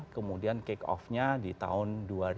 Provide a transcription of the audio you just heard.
kemudian kick off nya di tahun dua ribu dua puluh